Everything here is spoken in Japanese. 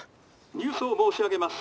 「ニュースを申し上げます。